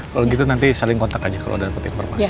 oke kalau gitu nanti saling kontak aja kalau ada pertempuran mas